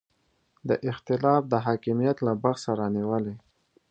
دا اختلاف د حکمیت له بحثه رانیولې.